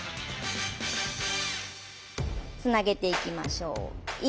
つなげていきましょう。